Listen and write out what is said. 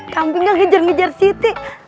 kambing kan ngejar ngejar siti